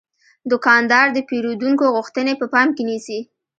دوکاندار د پیرودونکو غوښتنې په پام کې نیسي.